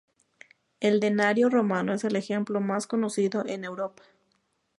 El denario romano es el ejemplo más conocido en Europa.